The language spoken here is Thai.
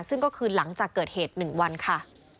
ซึ่งก็คือหลังจากเกิดเหตุ๑วันค่ะ